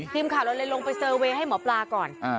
ทีมข่าวลงไปส่งให้หมอปลาก่อน